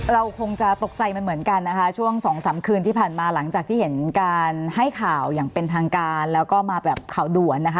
เราคงจะตกใจมันเหมือนกันนะคะช่วงสองสามคืนที่ผ่านมาหลังจากที่เห็นการให้ข่าวอย่างเป็นทางการแล้วก็มาแบบข่าวด่วนนะคะ